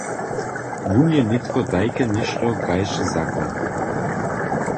Wón je nětko tajke něšto kaž zakoń.